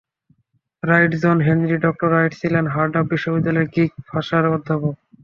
Right, John Henry doctor Wright ছিলেন Harvard বিশ্ববিদ্যালয়ের Greek ভাষার অধ্যাপক।